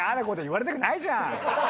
言われたくないじゃん。